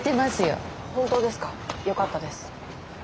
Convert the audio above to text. よかったです。